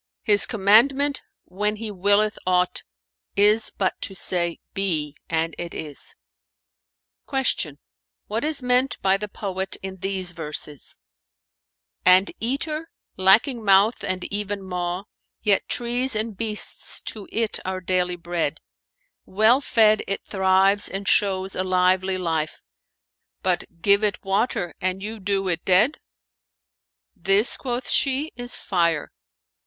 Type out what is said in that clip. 'His commandment when He willeth aught, is but to say, BE,—and IT IS.'"[FN#446] Q "What is meant by the poet in these verses, 'And eater lacking mouth and even maw; * Yet trees and beasts to it are daily bread: Well fed it thrives and shows a lively life, * But give it water and you do it dead?'" "This," quoth she, "is Fire."